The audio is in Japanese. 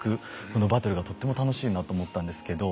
このバトルがとっても楽しいなと思ったんですけど。